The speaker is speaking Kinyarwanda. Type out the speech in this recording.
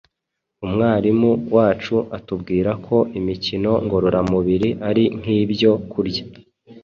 Umwarimu wacu atubwira ko imikino ngororamubiri ari nk’ibyo kurya